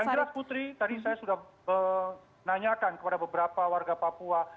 yang jelas putri tadi saya sudah menanyakan kepada beberapa warga papua